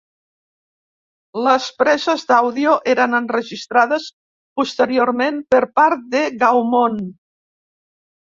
Les preses d’àudio eren enregistrades posteriorment per part de Gaumont.